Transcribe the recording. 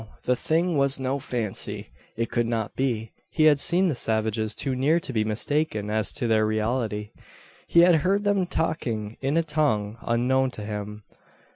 The thing was no fancy. It could not be. He had seen the savages too near to be mistaken as to their reality. He had heard them talking in a tongue unknown to him.